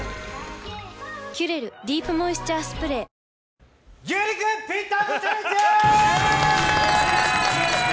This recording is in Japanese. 「キュレルディープモイスチャースプレー」牛肉ぴったんこチャレンジ！